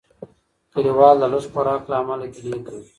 کلیوال د لږ خوراک له امله ګیلې کوي.